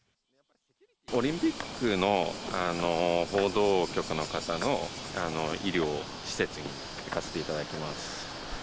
オリンピックの報道局の方の医療施設に行かせていただきます。